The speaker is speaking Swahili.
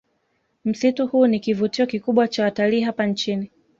Msitu huu ni kivutio kikubwa cha watalii hapa nchini